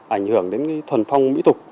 ảnh hưởng đến thuần phong mỹ tục